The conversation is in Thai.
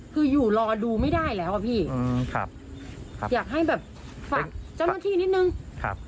คืออยู่รอดูไม่ได้แล้วอ่ะพี่อืมครับอยากให้แบบฝากเจ้าหน้าที่นิดนึงครับ